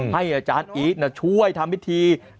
อาจารย์อีทช่วยทำพิธี